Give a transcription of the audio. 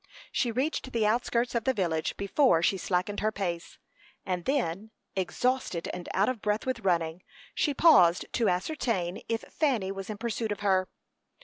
She reached the outskirts of the village before she slackened her pace, and then, exhausted and out of breath with running, she paused to ascertain if Fanny was in pursuit of her.